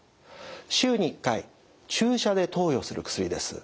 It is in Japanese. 週に１回注射で投与する薬です。